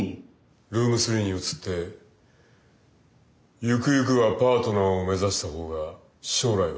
ルーム３に移ってゆくゆくはパートナーを目指した方が将来は安泰だ。